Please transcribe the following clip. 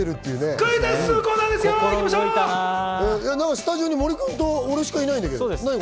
スタジオに森君と俺しかいないんだけど。